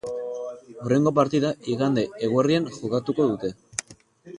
Hurrengo partida igande eguerdian jokatuko dute.